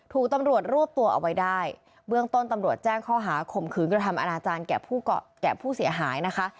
ถูกตำรวจรวบตัวเอาไว้ได้เบื้องต้นตำรวจแจ้งข้อหาข่มขืนกระทำอนาจารย์แก่ผู้เกาะแก่ผู้เสียหายนะคะ